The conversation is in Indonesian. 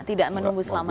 tidak menunggu selama itu